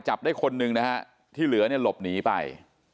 จับได้คนหนึ่งที่เหลือลบหนีไป